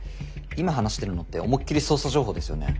今話してるのって思いっきり捜査情報ですよね。